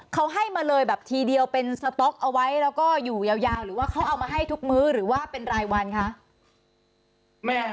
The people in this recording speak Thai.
เขาให้มาเลยแบบทีเดียวเป็นสต๊อกเอาไว้แล้วก็อยู่ยาวหรือว่าเขาเอามาให้ทุกมื้อหรือว่าเป็นรายวันคะ